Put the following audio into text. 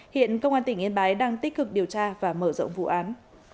hiện công an tỉnh yên bái đang tích cực điều tra và mở rộng vụ án